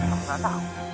aku gak tau